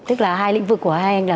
tức là hai lĩnh vực của hai anh